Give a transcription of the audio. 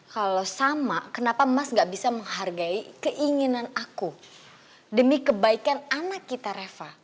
kalau sama kenapa mas gak bisa menghargai keinginan aku demi kebaikan anak kita reva